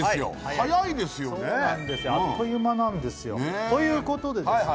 早いですよねあっという間なんですよということでですね